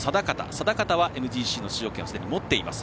定方は、ＭＧＣの出場権をすでに持っています。